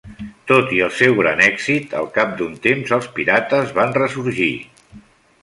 Tot i el seu gran èxit, al cap d'un temps els pirates van ressorgir.